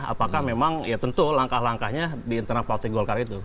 apakah memang ya tentu langkah langkahnya di internal partai golkar itu